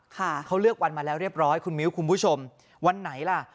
เขาเลือกวันมาแล้วเรียบร้อยคุณมิ้วคุณผู้ชมวันไหนล่ะ